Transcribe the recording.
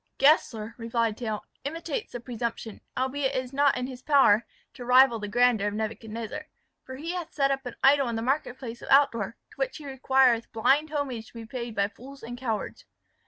"Gessler," replied Tell, "imitates the presumption, albeit it is not in his power to rival the grandeur, of Nebuchadnezzar; for he hath set up an idol in the market place of Altdorf, to which he requireth blind homage to be paid by fools and cowards.